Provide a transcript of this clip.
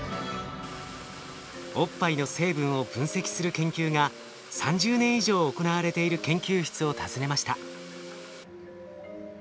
おっぱいの成分を分析する研究が３０年以上行われている研究室を訪ねました。